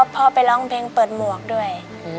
พ่อไปร้องเพลงเปิดหมวกด้วย